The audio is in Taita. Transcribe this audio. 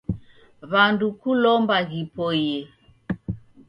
W'andu kulomba ghipoie